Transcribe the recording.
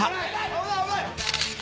危ない危ない！